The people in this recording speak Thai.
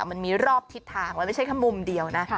มันมีรอบทิศทางมันไม่ใช่เมื่อมูลเดียวนะ